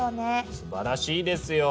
すばらしいですよ。